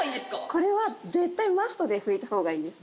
これは絶対マストで拭いたほうがいいです。